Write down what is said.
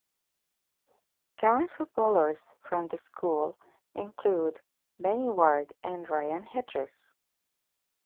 Current footballers from the school include, Danny Ward and Ryan Hedges.